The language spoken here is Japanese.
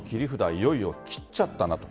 いよいよ切っちゃったなと。